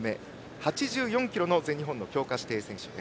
８４ｋｇの全日本の強化指定選手。